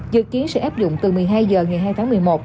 dự kiến sẽ áp dụng từ một mươi hai h ngày hai tháng một mươi một